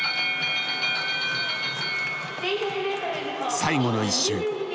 最後の１周。